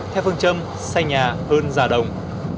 theo phương châm xây nhà hơn giả đồng